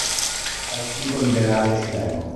Partito Liberale Cileno